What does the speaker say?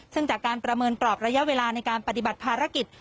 ซึ่งจากการประเมินกรอบระยะเวลาในการปฏิบัติภารกิจ